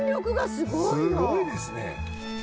すごいですね。